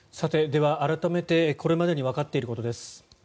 では改めて、これまでにわかっていることです。